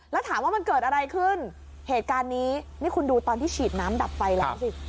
แล้วถามว่ามันเกิดอะไรขึ้นเหตุการณ์นี้นี่คุณดูตอนที่ฉีดน้ำดับไฟแล้วสิ